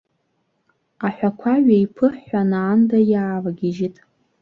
Аҳәақәа ҩеиԥыҳәҳәан аанда иаавагьежьт.